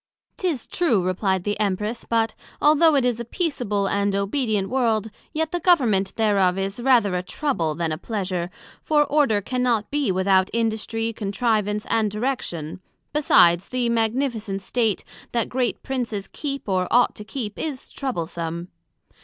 'Tis true, replied the Empress: but although it is a peaceable and obedient world, yet the Government thereof is rather a trouble, then a pleasure; for order cannot be without industry, contrivance, and direction: besides, the Magnificent state, that great Princes keep or ought to keep, is troublesome.